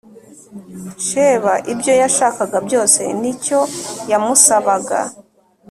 Sheba ibyo yashakaga byose n icyo yamusabaga